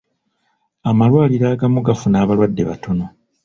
Amalwaliro agamu gafuna abalwadde batono.